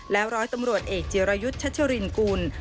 ร้อยตำรวจเอกจิรยุทธ์ชัชรินกุล